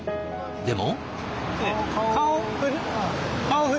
でも。